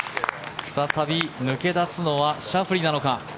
再び抜け出すのはシャフリーなのか。